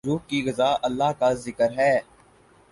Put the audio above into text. روح کی غذا اللہ کا ذکر ہے۔